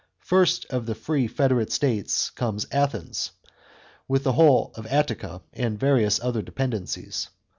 (1) First of the free federate states comes Athens, with the whole of Attica, and various other dependencies.